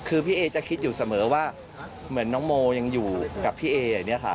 คือพี่เอจะคิดอยู่เสมอว่าเหมือนน้องโมยังอยู่กับพี่เออย่างนี้ค่ะ